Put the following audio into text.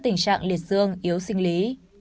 tình trạng liệt dương yếu sinh lý